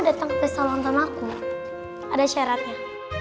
datang ke pesta lontong aku ada syaratnya